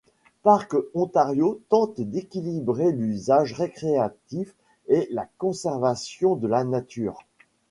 Parcs Ontario tente d'équilibrer l'usage récréatif et la conservation de la nature.